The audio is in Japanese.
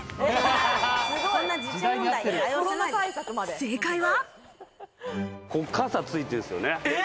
正解は。